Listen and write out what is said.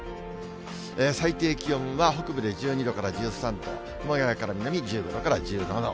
最低気温は北部で１２度から１３度、熊谷から南、１５度から１７度。